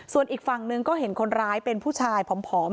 ส่วนอีกฝั่งหนึ่งก็เห็นคนร้ายเป็นผู้ชายผอม